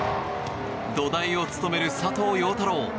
土台を務める佐藤陽太郎。